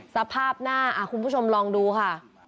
สภาพหน้าคุณผู้ชมลองดูค่ะ